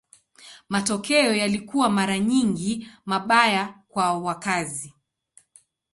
Matokeo yalikuwa mara nyingi mabaya kwa wakazi.